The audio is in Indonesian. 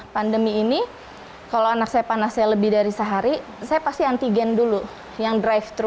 pandemi ini kalau anak saya panasnya lebih dari sehari saya pasti antigen dulu yang drive thru